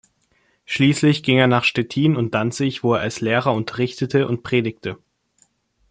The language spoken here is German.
Schließlich ging er nach Stettin und Danzig, wo er als Lehrer unterrichtete und predigte.